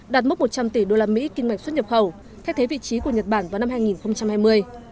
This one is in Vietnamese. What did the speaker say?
đạt mốc một trăm linh tỷ usd kinh mạch xuất nhập khẩu thay thế vị trí của nhật bản vào năm hai nghìn hai mươi